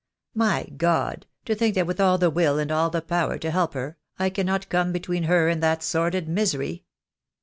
My God, to think that with all the will and all the power to help her, I cannot come between her and that sordid misery.